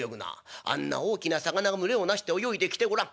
あんな大きな魚が群れを成して泳いできてごらん。